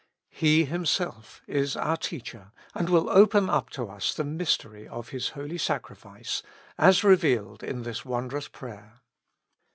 He Him self is our Teacher, and will open up to us the mystery of His holy sacrifice, as revealed in this wondrous prayer.